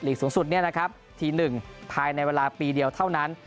ลีกสูงสุดนี่นะครับทีหนึ่งท้ายในเวลาปีเดียวเท่านั้น